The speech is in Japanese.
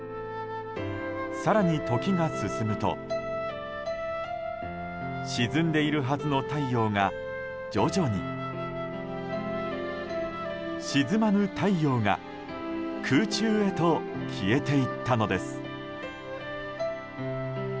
更に時が進むと沈んでいるはずの太陽が徐々に沈まぬ太陽が空中へと消えていったのです。